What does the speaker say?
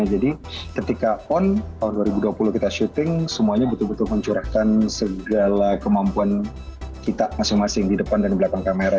jadi ketika on tahun dua ribu dua puluh kita syuting semuanya betul betul mencurahkan segala kemampuan kita masing masing di depan dan belakang kamera